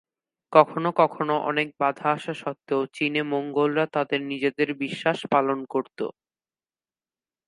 কখনও কখনও অনেক বাধা আসা সত্ত্বেও চীনে মঙ্গোলরা তাদের নিজেদের বিশ্বাস পালন করত।